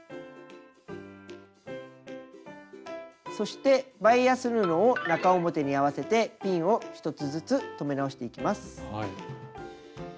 そしてバイアス布を中表に合わせてピンを１つずつ留め直していきます。